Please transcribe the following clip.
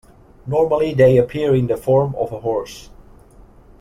Normally, they appear in the form of a horse.